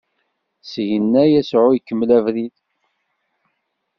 Syenna Yasuɛ ikemmel abrid.